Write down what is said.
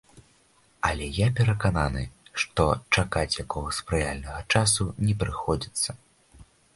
Але я перакананы, што чакаць якога спрыяльнага часу не прыходзіцца.